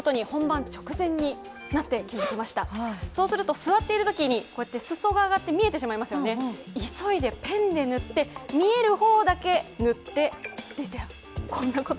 座っているときに、裾が上がって見えてしまうので急いでペンで塗って、見える方だけ塗って出たと。